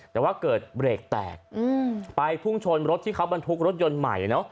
แต่ว่าเกิดเบรกแตกไปพุ่งชนรถที่เขาบรรทุกรถยนต์ใหม่เนอะ